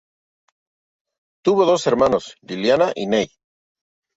Tuvo dos hermanos: Liliana y Ney.